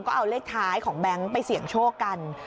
ก็เอาเลขท้ายของแบงค์ไปเสี่ยงโชคกัน